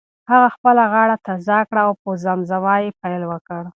هغه خپله غاړه تازه کړه او په زمزمه یې پیل وکړ.